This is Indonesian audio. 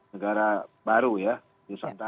negara baru ya